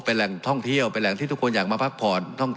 เป็นแหล่งท่องเที่ยวเป็นแหล่งที่ทุกคนอยากมาพักผ่อน